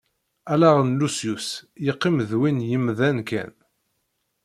Allaɣ n Lusyus yeqqim d win n wemdan kan.